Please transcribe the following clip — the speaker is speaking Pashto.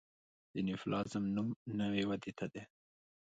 د نیوپلازم نوم نوي ودې ته دی.